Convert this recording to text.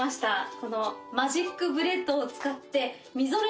このマジックブレットを使って。